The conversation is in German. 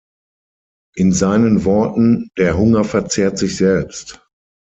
In seinen Worten "Der Hunger verzehrt sich selbst".